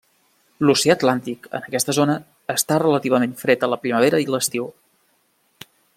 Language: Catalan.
L'oceà atlàntic en aquesta zona està relativament fred a la primavera i l'estiu.